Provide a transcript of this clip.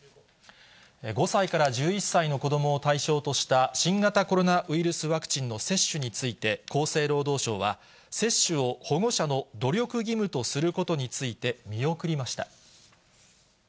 ５歳から１１歳の子どもを対象とした、新型コロナウイルスワクチンの接種について、厚生労働省は、接種を保護者の努力義務とすることについて、見送りました。